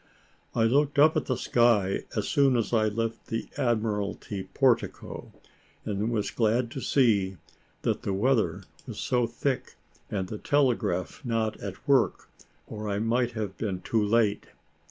I looked up at the sky as soon as I left the Admiralty portico, and was glad to see that the weather was so thick, and the telegraph not at work, or I might have been too late.